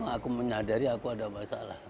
aku menyadari aku ada masalah